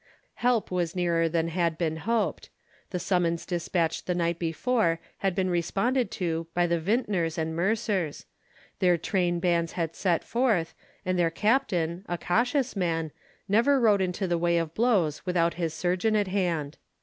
Help was nearer than had been hoped. The summons despatched the night before had been responded to by the vintners and mercers; their train bands had set forth, and their captain, a cautious man, never rode into the way of blows without his surgeon at hand.